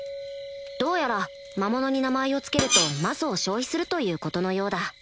どうやら魔物に名前を付けると魔素を消費するということのようだ